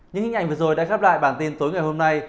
những hình ảnh vừa rồi đã khép lại bản tin tối ngày hôm nay